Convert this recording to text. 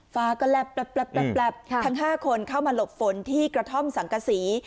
ฟ้าก็แลบทั้ง๕คนเข้ามาหลบฝนที่กระท่อมสังกษี